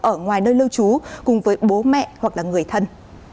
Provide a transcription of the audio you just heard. ở ngoài nơi lưu trú cùng với bố mẹ hoặc là người thân